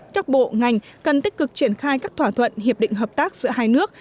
các bộ ngành cần tích cực triển khai các thỏa thuận hiệp định hợp tác giữa hai nước